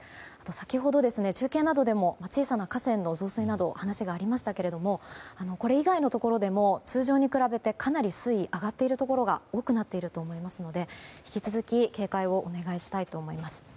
先ほど中継などでも小さな河川の増水のお話がありましたけどこれ以外のところでも通常に比べてかなり水位が上がっているところが多くなっていますので引き続き警戒をお願いしたいと思います。